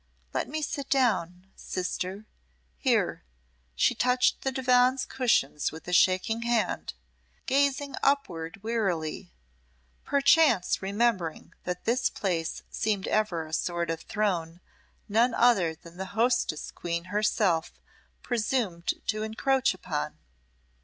Let me sit down sister here." She touched the divan's cushions with a shaking hand, gazing upward wearily perchance remembering that this place seemed ever a sort of throne none other than the hostess queen herself presumed to encroach upon.